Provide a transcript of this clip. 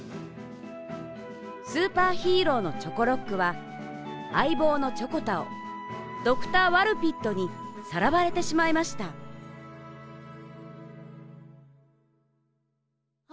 スーパーヒーローのチョコロックはあいぼうのチョコタをドクター・ワルピットにさらわれてしまいましたあ